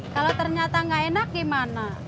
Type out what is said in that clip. kalo ternyata ga enak gimana